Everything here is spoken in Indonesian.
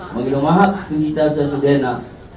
makin ma'at kusita'usasudianak